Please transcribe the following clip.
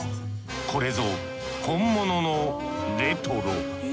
これぞ本物のレトロ。